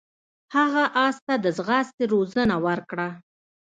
هغه اس ته د ځغاستې روزنه ورکړه.